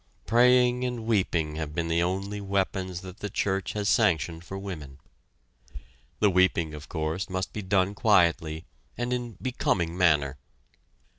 Praying and weeping have been the only weapons that the church has sanctioned for women. The weeping, of course, must be done quietly and in becoming manner.